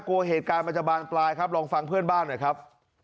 กลัวเหตุการณ์มันจะบานปลายครับลองฟังเพื่อนบ้านหน่อยครับ